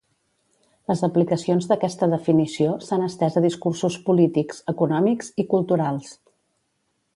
Les aplicacions d'aquesta definició s'han estès a discursos polítics, econòmics i culturals.